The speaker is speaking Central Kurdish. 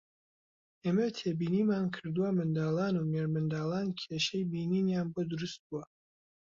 ئێمە تێبینیمان کردووە منداڵان و مێردمنداڵان کێشەی بینینیان بۆ دروستبووە